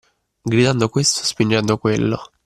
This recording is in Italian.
Gridando questo, spingendo quello